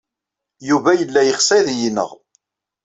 Yuba yella yeɣs ad iyi-ineɣ.